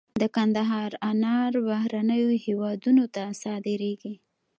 د کندهار انار بهرنیو هیوادونو ته صادریږي